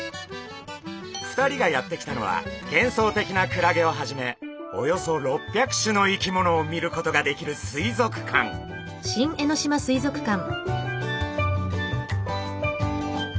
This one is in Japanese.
２人がやって来たのはげんそうてきなクラゲをはじめおよそ６００種の生き物を見ることができる水族館。